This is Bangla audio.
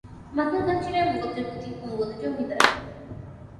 মাসুম খান ছিলেন মুঘলদের প্রতি অনুগত জমিদার।